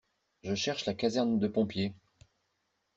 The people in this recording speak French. Je cherche la caserne de pompiers.